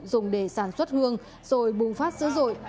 dùng để sản xuất hương rồi bùng phát sữa rội